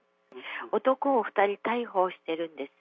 男を２人逮捕してるんです。